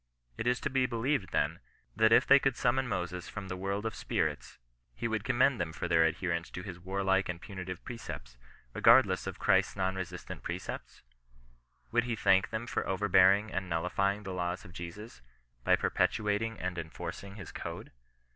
Is it to be believed, then, that if they could summon Moses from the world of spirits, he would commend them for their adherence to his warlike and punitive precepts, regardless of Christ's non resistant precepts % Would he thank them for over bearing and nullifying the laws of Jesus, by perpetuat ing and enforcing his code